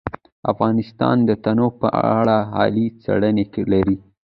افغانستان د تنوع په اړه علمي څېړنې لري.